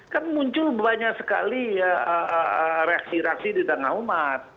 kan muncul banyak sekali reaksi reaksi di tengah umat